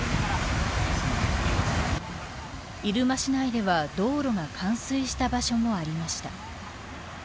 入間市内では道路が冠水した場所もありました。